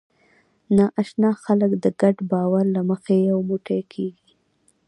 ناآشنا خلک د ګډ باور له مخې یو موټی کېږي.